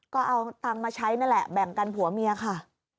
ก็เอาตังค์มาใช้นั่นแหละแบ่งกันผัวเมียค่ะ